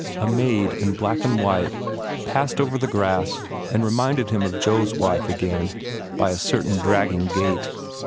A maid in black and white passed over the grass and reminded him of Joe s wife again by a certain dragging gait.